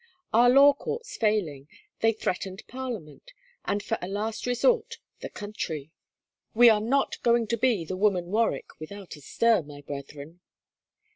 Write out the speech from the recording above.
Our Law courts failing, they threatened Parliament, and for a last resort, the country! We are not going to be the woman Warwick without a stir, my brethren.